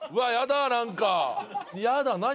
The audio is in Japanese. ヤダ何？